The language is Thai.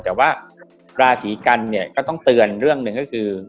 แต่ว่าราศีกันเนี่ยก็ต้องเตือนเรื่องหนึ่งก็คือ